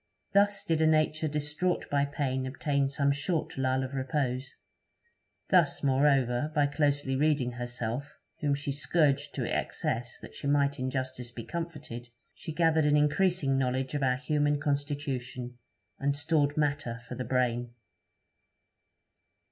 Thus did a nature distraught by pain obtain some short lull of repose. Thus, moreover, by closely reading herself, whom she scourged to excess that she might in justice be comforted, she gathered an increasing knowledge of our human constitution, and stored matter for the brain.